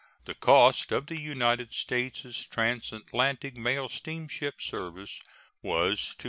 The cost of the United States transatlantic mail steamship service was $220,301.